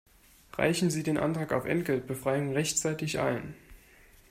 Reichen Sie den Antrag auf Entgeltbefreiung rechtzeitig ein!